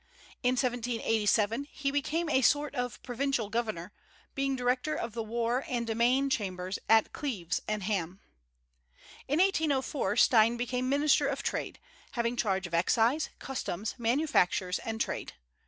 In 1787 he became a sort of provincial governor, being director of the war and Domaine Chambers at Cleves and Hamm. In 1804 Stein became Minister of Trade, having charge of excise, customs, manufactures, and trade.